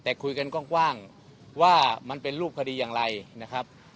แต่คุยกันกว้างว่ามันเป็นรูปคดีอย่างไรนะครับ